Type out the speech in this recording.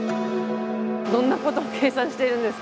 どんなことを計算しているんですか？